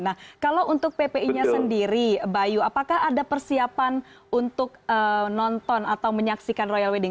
nah kalau untuk ppi nya sendiri bayu apakah ada persiapan untuk nonton atau menyaksikan royal wedding